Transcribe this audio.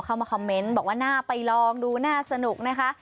เข้ามาคอมเมนต์บอกว่าน่าไปลองดูน่าสนุกนะคะ